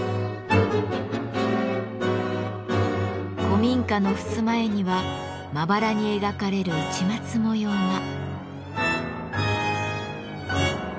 古民家のふすま絵にはまばらに描かれる市松模様が。